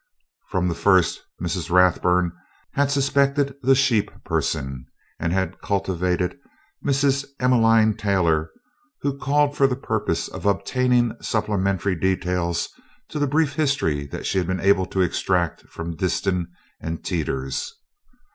From the first, Mrs. Rathburn had suspected the "sheep person," and had cultivated Mrs. Emmeline Taylor who called for the purpose of obtaining supplementary details to the brief history that she had been able to extract from Disston and Teeters.